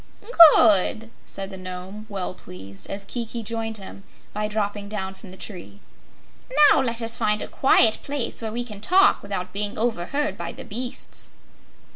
"Good!" said the Nome, well pleased, as Kiki joined him by dropping down from the tree. "Now let us find a quiet place where we can talk without being overheard by the beasts."